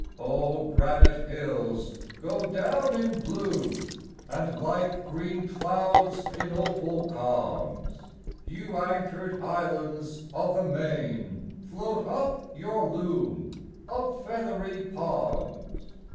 O granite hills, go down in blue! And like green clouds in opal calms, You anchored islands of the main, Float up your loom of feathery palms!